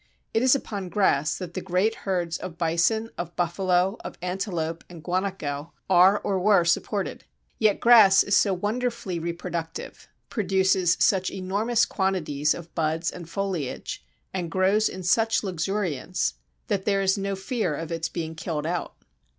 It is upon grass that the great herds of bison, of buffalo, of antelope, and guanaco, are or were supported. Yet grass is so wonderfully reproductive, produces such enormous quantities of buds and foliage, and grows in such luxuriance, that there is no fear of its being killed out.